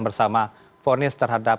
bersama fornis terhadap